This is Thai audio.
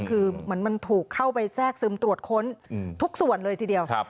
คือเหมือนมันถูกเข้าไปแทรกซึมตรวจค้นทุกส่วนเลยทีเดียว